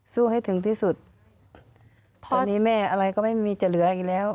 ให้ถึงที่สุดตอนนี้แม่อะไรก็ไม่มีจะเหลืออีกแล้ว